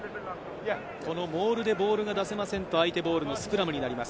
モールでボールを出せませんと相手ボールをスクラムになります。